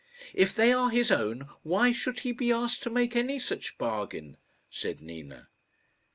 "If they are his own, why should he be asked to make any such bargain?" said Nina.